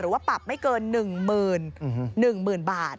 หรือว่าปรับไม่เกิน๑หมื่นบาท